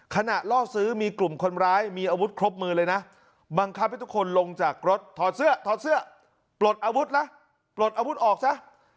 ล่อซื้อมีกลุ่มคนร้ายมีอาวุธครบมือเลยนะบังคับให้ทุกคนลงจากรถถอดเสื้อถอดเสื้อปลดอาวุธซะปลดอาวุธออกซะ